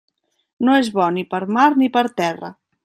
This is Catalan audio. No és bo ni per mar ni per terra.